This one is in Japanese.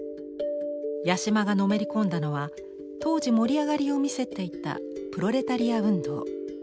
八島がのめり込んだのは当時盛り上がりを見せていた「プロレタリア運動」。